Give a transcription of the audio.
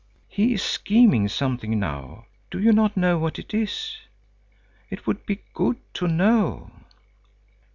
He is scheming something now. Do you not know what it is? It would be good to know."